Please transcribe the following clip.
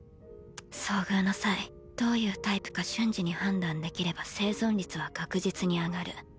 遭遇の際どういうタイプか瞬時に判断できれば生存率は確実に上がる。